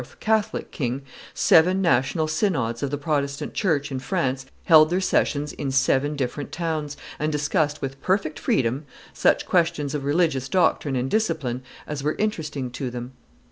Catholic king, seven national synods of the Protestant church in France held their sessions in seven different towns, and discussed with perfect freedom such questions of religious doctrine and discipline as were interesting to them.